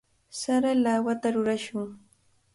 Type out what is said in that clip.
Sara lawata rurashun.